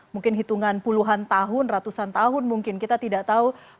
mungkin hitungan puluhan tahun ratusan tahun mungkin kita tidak tahu